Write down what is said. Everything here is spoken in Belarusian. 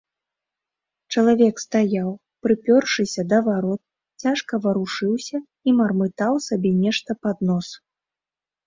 Чалавек стаяў, прыпёршыся да варот, цяжка варушыўся і мармытаў сабе нешта пад нос.